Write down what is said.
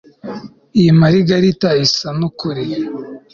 iyi maragarita isa nukuri